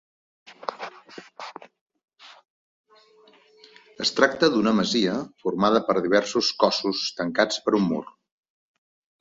Es tracta d'una masia formada per diversos cossos tancats per un mur.